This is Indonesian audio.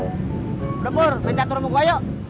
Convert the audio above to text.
udah pur main caturnya mau gue yuk